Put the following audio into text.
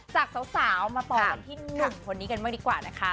จากสาวมาป่อนที่หนุ่มคนนี้กันดีกว่า